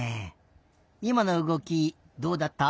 いまのうごきどうだった？